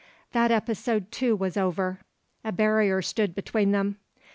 That episode too was over. A barrier stood between them.